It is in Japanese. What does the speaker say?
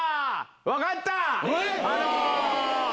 分かった！